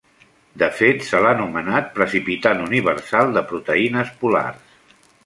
De fet se l'ha anomenat precipitant universal de proteïnes polars.